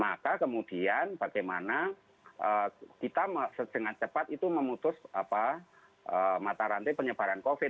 maka kemudian bagaimana kita dengan cepat itu memutus mata rantai penyebaran covid